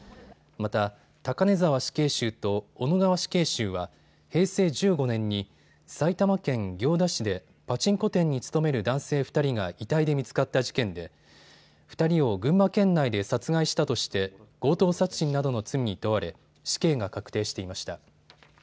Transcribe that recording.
また高根沢死刑囚と小野川死刑囚は平成１５年に埼玉県行田市でパチンコ店に勤める男性２人が遺体で見つかった事件で２人を群馬県内で殺害したとして強盗殺人などの罪に問われ死刑が確定していました。